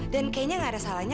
dan kayaknya gak ada salahnya